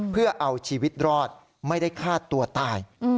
เพื่อเอาชีวิตรอดไม่ได้ฆ่าตัวตาย